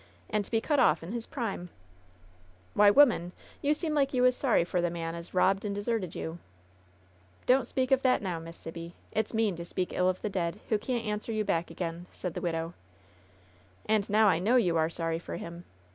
And to be cut off in his prime !" "Why, woman, you seem like you was sorry for the man as robbed and deserted you !" "Don't speak of that now, Miss Sibby. It's mean to speak ill of the dead, who can't answer you back again I" said the widow. 66 LOVERS BITTEREST CUP "And now I know you are sorry for him.